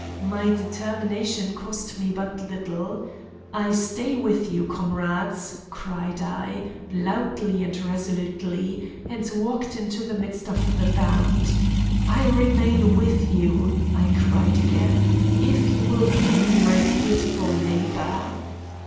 My determination cost me but little. 'I stay with you, comrades,' cried I, loudly and resolutely, and walked into the midst of the band. 'I remain with you,' I cried again, 'if you will give me my beautiful neighbour.